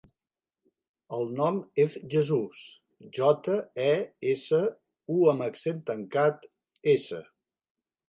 El nom és Jesús: jota, e, essa, u amb accent tancat, essa.